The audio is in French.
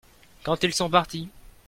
Quand ils sont partis.